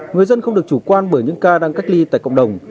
người dân không được chủ quan bởi những ca đang cách ly tại cộng đồng